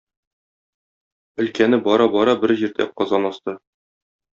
Өлкәне бара-бара бер җирдә казан асты.